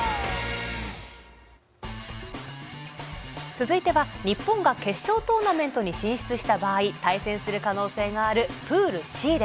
続いては日本が決勝トーナメントに進出した場合対戦する可能性があるプールＣ。